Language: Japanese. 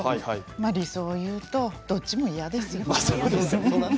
理想を言うとどちらも嫌ですよね。